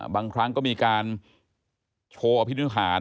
บางครั้งก็มีการโชว์อภินิหาร